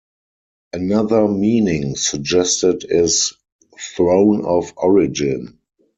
Another meaning suggested is "Throne of Origin".